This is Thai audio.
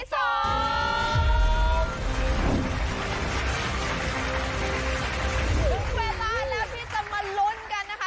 ถึงเวลาแล้วที่จะมาลุ้นกันนะคะ